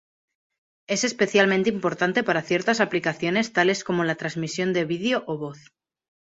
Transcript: Es especialmente importante para ciertas aplicaciones tales como la transmisión de video o voz.